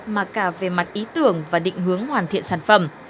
mà cả về mặt ý tưởng và định hướng hoàn thiện sản phẩm